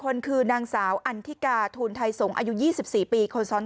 คนคือนางสาวอันทิกาทูนไทสงอายุยี่สิบสี่ปีคนซ้อน